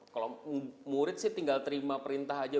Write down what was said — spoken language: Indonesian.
kalau murid sih tinggal terima perintah aja